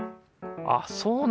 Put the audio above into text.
あっそうなんだ。